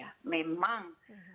ya jadi sekarang